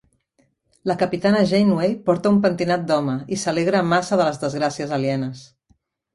La capitana Janeway porta un pentinat d'home i s'alegra massa de les desgràcies alienes.